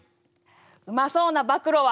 うまそうな「暴露」は。